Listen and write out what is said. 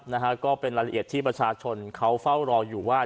นะฮะก็เป็นรายละเอียดที่ประชาชนเขาเฝ้ารออยู่ว่า